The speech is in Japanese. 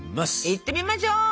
いってみましょう！